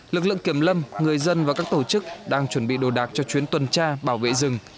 lực lượng kiểm lâm người dân và các tổ chức đang chuẩn bị đồ đạc cho chuyến tuần tra bảo vệ rừng